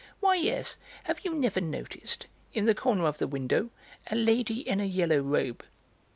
"Why yes, have you never noticed, in the corner of the window, a lady in a yellow robe?